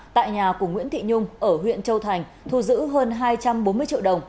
tại nhà của nguyễn thị nhung ở huyện châu thành thu giữ hơn hai trăm bốn mươi triệu đồng